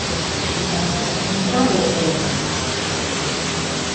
Baina non dago oreka?